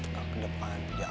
kau kedep banget joklat